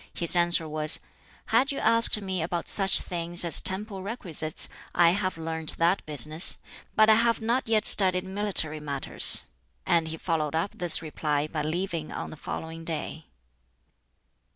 His answer was, "Had you asked me about such things as temple requisites, I have learnt that business, but I have not yet studied military matters." And he followed up this reply by leaving on the following day.